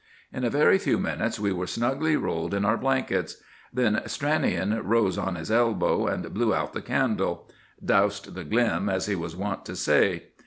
In a very few minutes we were snugly rolled in our blankets. Then Stranion rose on his elbow and blew out the candle,—"doused the glim," as he was wont to say.